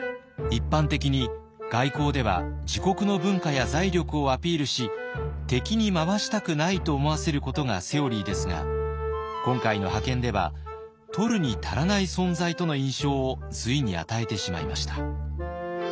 一般的に外交では自国の文化や財力をアピールし「敵に回したくない」と思わせることがセオリーですが今回の派遣では「取るに足らない存在」との印象を隋に与えてしまいました。